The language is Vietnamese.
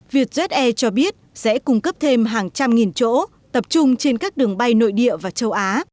vietjet air cho biết sẽ cung cấp thêm hàng trăm nghìn chỗ tập trung trên các đường bay nội địa và châu á